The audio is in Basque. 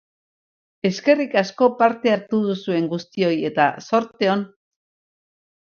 Eskerrik asko parte hartu duzuen guztioi, eta zorte on!